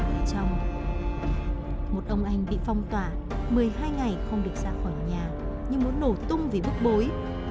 một ông anh bị phong tỏa một mươi hai ngày không được ra khỏi nhà nhưng muốn nổ tung vì bức bối